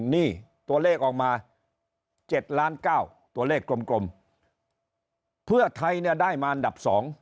นี่ตัวเลขออกมา๗ล้านเก้าตัวเลขกลมเพื่อไทยเนี่ยได้มาอันดับ๒